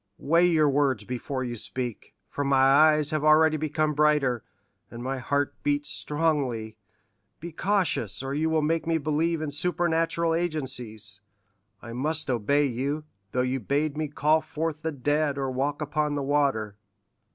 Weigh your words before you speak, for my eyes have already become brighter, and my heart beats strongly; be cautious, or you will make me believe in supernatural agencies. I must obey you, though you bade me call forth the dead or walk upon the water."